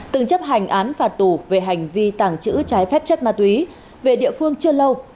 từng chấp hành án phạt tù về hành vi tàng trữ trái phép chất ma túy về địa phương chưa lâu